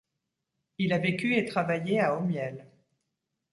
Il a vécu et travaillé à Homiel.